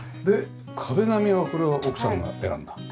で壁紙はこれは奥さんが選んだ？